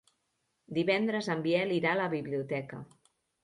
Divendres en Biel irà a la biblioteca.